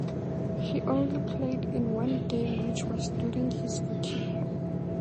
He only played in one game which was during his rookie year.